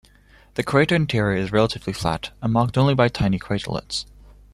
The crater interior is relatively flat, and marked only by tiny craterlets.